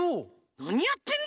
なにやってんの？